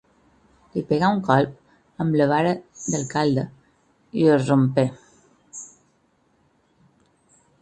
Li pegà un colp amb la vara d’alcalde i es rompé.